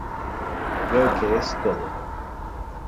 Creo que es todo.